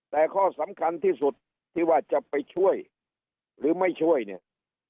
แต่ข้อสำคัญที่สุดที่ว่าจะไปช่วยหรือไม่ช่วยเนี่ย